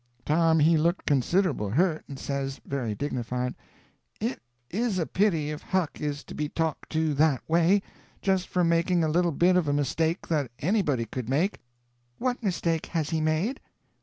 Tom he looked considerable hurt, and says, very dignified: "It is a pity if Huck is to be talked to that way, just for making a little bit of a mistake that anybody could make." "What mistake has he made?"